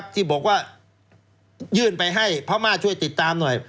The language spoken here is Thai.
ที่บอกว่ายื่นไปให้พม่าช่วยติดตามหน่อย